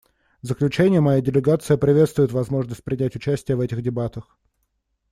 В заключение моя делегация приветствует возможность принять участие в этих дебатах.